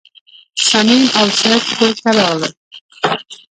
صمیم او څرک کور ته راغلل.